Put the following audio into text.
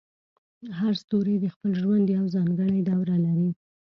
هر ستوری د خپل ژوند یوه ځانګړې دوره لري.